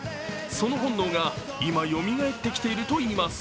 その本能が今、よみがえってきているといいます。